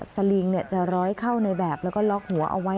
สลิงจะร้อยเข้าในแบบแล้วก็ล็อกหัวเอาไว้